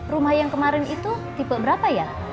rumah yang kemarin itu tipe berapa ya